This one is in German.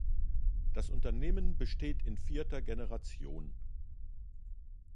Das Unternehmen besteht in vierter Generation.